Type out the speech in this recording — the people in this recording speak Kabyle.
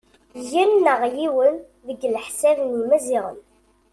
yen neɣ yiwen deg leḥsab n yimaziɣen.